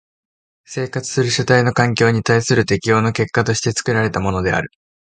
生活する主体の環境に対する適応の結果として作られたものである。